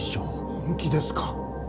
本気ですか？